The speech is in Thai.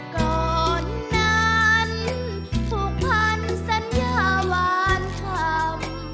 ก่อนนั้นผูกพันสัญญาวานคำ